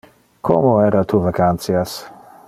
Como era tu vacantias?